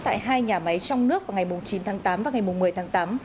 tại hai nhà máy trong nước vào ngày chín tháng tám và ngày một mươi tháng tám